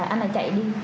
anh lại chạy đi